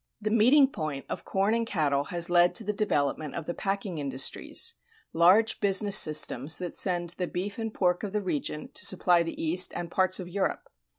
The meeting point of corn and cattle has led to the development of the packing industries, large business systems that send the beef and pork of the region to supply the East and parts of Europe.